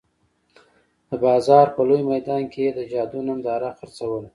د بازار په لوی میدان کې یې د جادو ننداره خرڅوله.